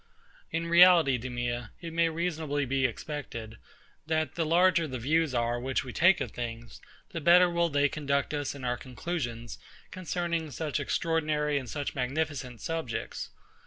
In reality, DEMEA, it may reasonably be expected, that the larger the views are which we take of things, the better will they conduct us in our conclusions concerning such extraordinary and such magnificent subjects.